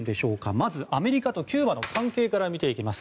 まず、アメリカとキューバの関係から見ていきます。